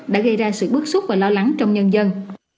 đã gây ra sự bước xuất và lo lắng trong nhân dân